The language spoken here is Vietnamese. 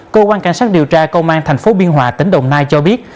công an cảnh sát điều tra công an tp biên hòa tỉnh đồng nai cho biết